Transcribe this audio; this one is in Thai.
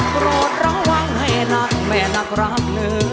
ขอบคุณมากครับ